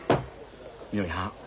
みのりはん